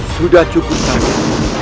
sudah cukup raden